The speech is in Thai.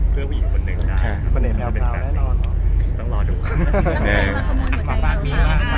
เพื่อผู้หญิงคนหนึ่งได้